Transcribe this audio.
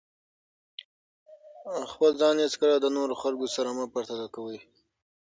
خپل ځان هېڅکله له نورو خلګو سره مه پرتله کوئ.